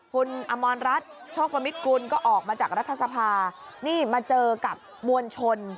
คุณอมรรัฐโชคประมิตกุลก็ออกมาจากรัฐสภานี่มาเจอกับมวลชน